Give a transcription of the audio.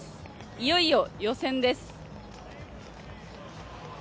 いよいよ予選です。